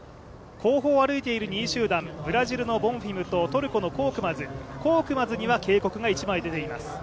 後方を歩いている２位集団、ブラジルのボンフィムとトルコのコークマズコークマズには警告が１枚出ています。